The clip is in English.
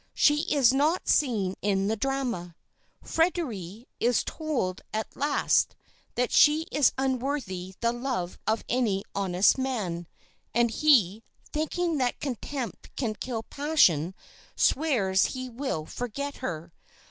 She is not seen in the drama. Fréderi is told at last that she is unworthy the love of any honest man; and he, thinking that contempt can kill passion, swears he will forget her.